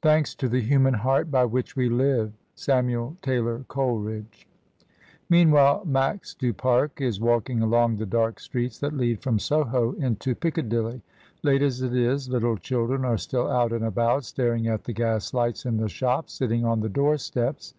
Thanks to the human heart by which we live. S. T. Coleridge. Meanwhile Max du Pare is walking along the dark streets that lead from Soho into Piccadilly. Late as it is, little children are still out and about, staring at the gas lights in the shops, sitting on the door steps.